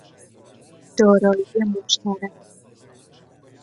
دارایی مشترک